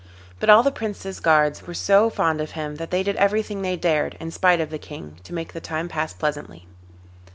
But all the Prince's guards were so fond of him that they did everything they dared, in spite of the King, to make the time pass pleasantly.